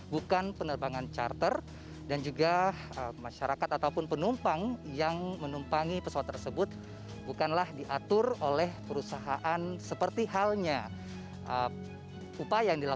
bukan penerbangan charter dan juga masyarakat ataupun penumpang yang menumpangi pesawat tersebut bukanlah diatur oleh perusahaan seperti halnya